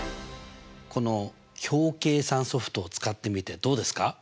この表計算ソフトを使ってみてどうですか？